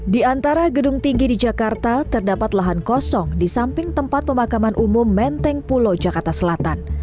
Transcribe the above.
di antara gedung tinggi di jakarta terdapat lahan kosong di samping tempat pemakaman umum menteng pulo jakarta selatan